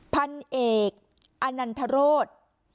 พันเอกอนันทรโรธ